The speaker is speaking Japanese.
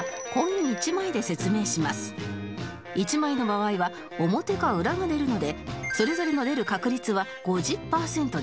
１枚の場合は表か裏が出るのでそれぞれの出る確率は５０パーセントです